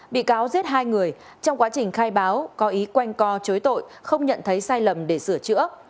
bị cáo giết hai người trong quá trình khai báo có ý quanh co chối tội không nhận thấy sai lầm để sửa chữa